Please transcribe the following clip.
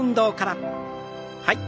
はい。